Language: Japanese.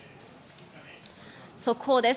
速報です。